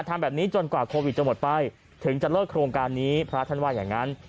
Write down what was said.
ทำแบบนี้จนกว่าโควิดจะหมดไปถึงจะเลิกโครงการนี้พระท่านว่าอย่างนั้น